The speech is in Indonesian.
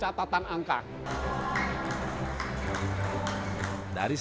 kita bisa menghasilkan kekuatan yang sangat luar biasa